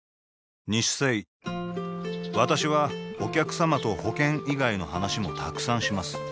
私はお客様と保険以外の話もたくさんします